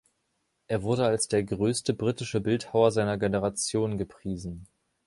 Er wurde als der größte britische Bildhauer seiner Generation gepriesen.